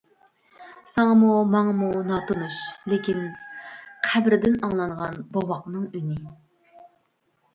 ساڭىمۇ، ماڭىمۇ ناتونۇش لېكىن، قەبرىدىن ئاڭلانغان بوۋاقنىڭ ئۈنى.